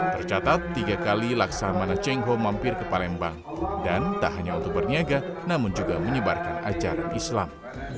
tercatat tiga kali laksamana cheng ho mampir ke palembang dan tak hanya untuk berniaga namun juga menyebarkan acara islam